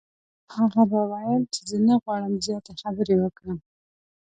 هغه به ویل چې زه نه غواړم زیاتې خبرې وکړم.